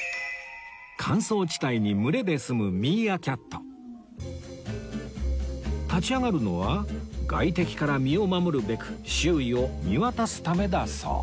乾燥地帯に群れで住む立ち上がるのは外敵から身を守るべく周囲を見渡すためだそう